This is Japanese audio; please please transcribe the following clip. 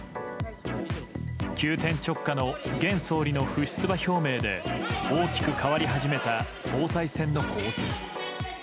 急転直下の現総理の不出馬表明で、大きく変わり始めた総裁選の構図。